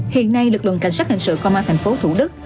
hiện nay lực lượng cảnh sát hình sự công an thành phố thủ đức